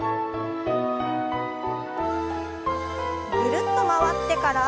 ぐるっと回ってから。